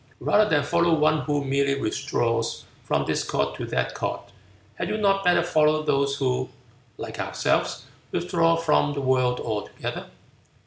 Rather than follow one who merely withdraws from this court to that court, had you not better follow those who (like ourselves) withdraw from the world altogether?"